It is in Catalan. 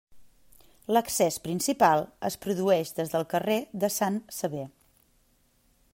L'accés principal es produeix des del carrer de Sant Sever.